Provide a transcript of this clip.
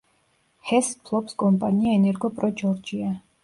ჰესს ფლობს კომპანია ენერგო-პრო ჯორჯია.